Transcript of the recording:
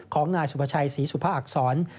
ของนายสุภาชัยศรีสุภาอักษร